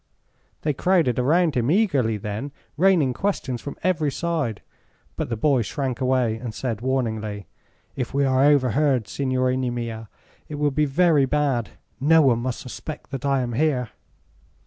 They crowded around him eagerly then, raining questions from every side; but the boy shrank away and said, warningly: "If we are overheard, signorini mia, it will be very bad. No one must suspect that I am here."